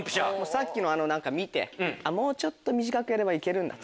さっきの見てもうちょっと短くやればいけるんだと。